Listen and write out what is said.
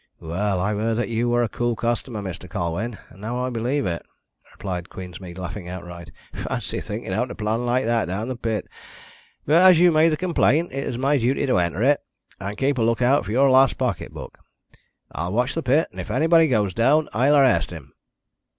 "Well, I've heard that you were a cool customer, Mr. Colwyn, and now I believe it," replied Queensmead, laughing outright. "Fancy thinking out a plan like that down in the pit! But as you've made the complaint it's my duty to enter it, and keep a look out for your lost pocket book. I'll watch the pit, and if anybody goes down it I'll arrest him."